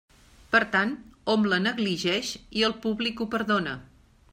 Per tant, hom la negligeix i el públic ho perdona.